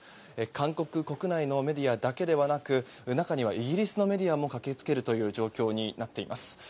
韓国国内のメディアだけではなく中には、イギリスのメディアも駆け付ける状況になっています。